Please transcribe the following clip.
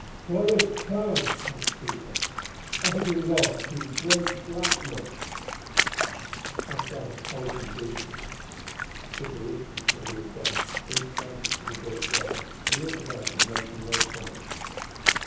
"What has chanced?" asked Peter. "I have been lost in a great blackness." Castell told him briefly. Peter listened till he had done, then staggered to the bulwark rail and looked about him, making no comment.